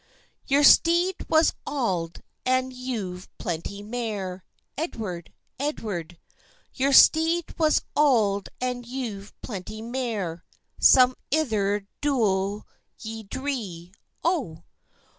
"Your steed was auld, and ye've plenty mair, Edward, Edward; Your steed was auld, and ye've plenty mair; Some ither dule ye dree, O."